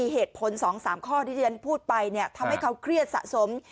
เหตุผล๒๓ข้อที่ที่ฉันพูดไปทำให้เขาเครียดสะสม